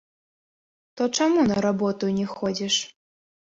То чаму на работу не ходзіш?